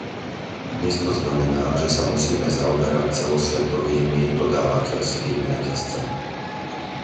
Dnes to znamená, že sa musíme zaoberať celosvetovými dodávateľskými reťazcami.